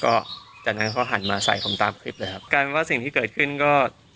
ก็จากนั้นเขาหันมาใส่ผมตามคลิปเลยครับกลายเป็นว่าสิ่งที่เกิดขึ้นก็